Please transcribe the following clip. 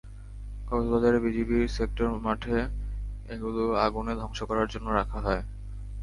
কক্সবাজারে বিজিবির সেক্টর মাঠে এগুলো আগুনে ধ্বংস করার জন্য রাখা হয়।